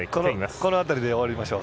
この辺りで終わりましょう。